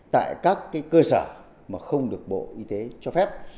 tại các cơ sở mà không được bộ y tế cho phép